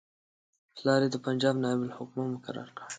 پلار یې د پنجاب نایب الحکومه مقرر کړ.